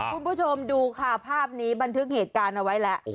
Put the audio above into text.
คุณผู้ชมดูค่ะภาพนี้บันทึกเหตุการณ์เอาไว้แล้ว